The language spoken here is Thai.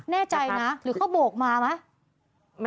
แน่ใจนะหรือเขาโบกมาไหม